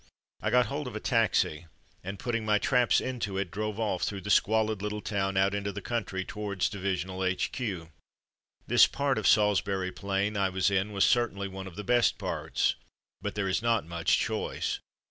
I got hold of a taxi and, putting my traps into it, drove off through the squalid little town out into the country towards divisional H.Q. This part of Salisbury Plain I was in was certainly one of the best parts, but there is not much choice.